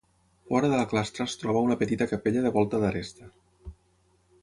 Fora de la clastra es troba una petita capella de volta d'aresta.